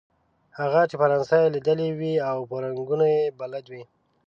هغه چې فرانسه یې ليدلې وي او په رنګونو يې بلد وي.